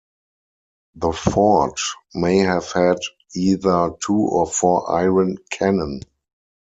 The fort may have had either two or four iron cannon.